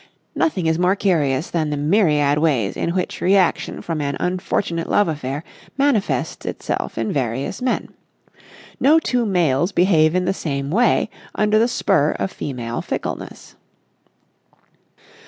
Nothing is more curious than the myriad ways in which reaction from an unfortunate love affair manifests itself in various men. No two males behave in the same way under the spur of female fickleness.